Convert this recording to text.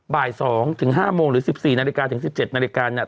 บ่าย๒๕โมงหรือ๑๔นาฬิกาถึง๑๗นาฬิกาเนี่ย